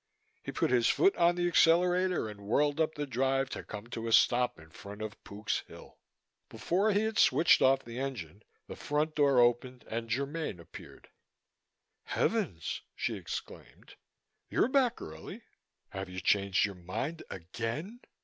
He put his foot on the accelerator and whirled up the drive to come to a stop in front of Pook's Hill. Before he had switched off the engine, the front door opened and Germaine appeared. "Heavens!" she exclaimed, "you're back early. Have you changed your mind again?"